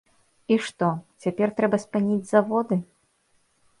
І што, цяпер трэба спыніць заводы?